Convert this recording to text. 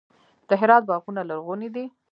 د هرات باغونه لرغوني دي.